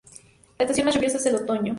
La estación más lluviosa es el otoño.